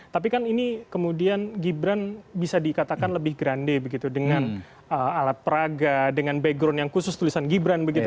tapi kan ini kemudian gibran bisa dikatakan lebih grande begitu dengan alat peraga dengan background yang khusus tulisan gibran begitu